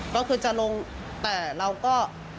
ก็คือจะลงแต่เราก็